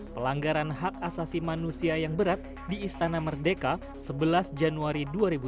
pelanggaran hak asasi manusia yang berat di istana merdeka sebelas januari dua ribu dua puluh